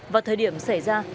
vào thời điểm xảy ra